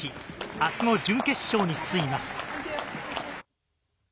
あすの準決勝に進みます。